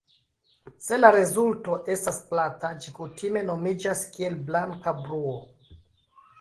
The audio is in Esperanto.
Se la rezulto estas plata, ĝi kutime nomiĝas kiel "blanka bruo".